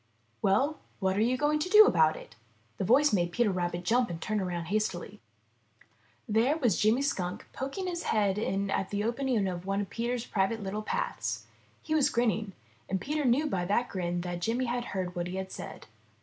''Well, what are you going to do about it?" The voice made Peter jump and turn around hastily. There was Jimmy Skunk poking his head in at the opening of one of Peter's private little paths. He was grinning, and Peter knew by that grin that Jimmy had heard what he had said.